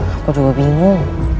aku juga bingung